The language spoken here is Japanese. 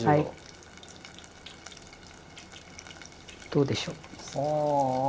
どうでしょう？